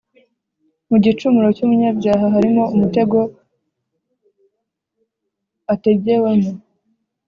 mu gicumuro cy’umunyabyaha harimo umutego ategewemo,